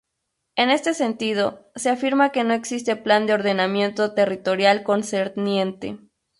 En este sentido, se afirma que no existe Plan de Ordenamiento Territorial concerniente.